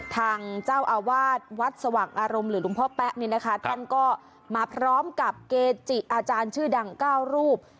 ทางเจ้าอาวาสวัดสว่างอารมณ์หรือหลวงพ่อแป๊ะนี่นะคะท่านก็มาพร้อมกับเกจิอาจารย์ชื่อดัง๙รูป